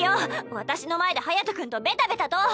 私の前で隼君とベタベタと！